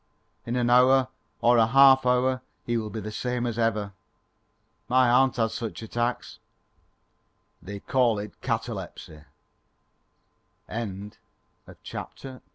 In an hour or a half hour he will be the same as ever. My aunt has such attacks. They call it catalepsy." III BELA THE REDOUBTABLE